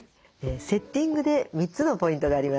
セッティングで３つのポイントがあります。